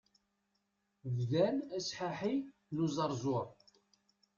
Bdan asḥaḥi n uẓerẓur.